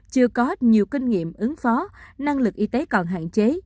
chưa có nhiều kinh nghiệm ứng phó năng lực y tế còn hạn chế